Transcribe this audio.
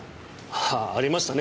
ああありましたね